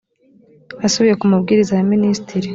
asubiye ku mabwiriza ya minisitiri